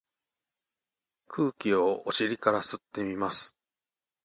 空気をお尻から吸ってみます。